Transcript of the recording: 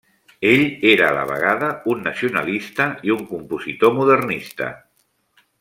Ell era a la vegada un nacionalista i un compositor modernista.